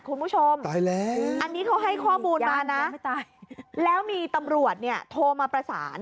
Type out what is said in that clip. คุณผู้ชมอันนี้เขาให้ข้อมูลมานะแล้วมีตำรวจโทรมาประสาน